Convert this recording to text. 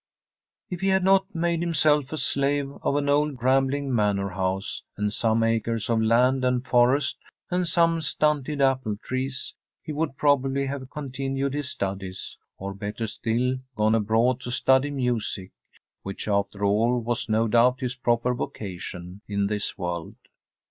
If he had not made himself a slave of an old rambling manor house and some acres of land and forest, and some stunted apple trees, he would probably have continued his studies, or, better still, gone abroad to study music, which, after all, was no doubt his proper vocation in this world.